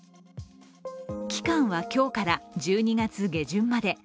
期間は今日から１２月下旬まで。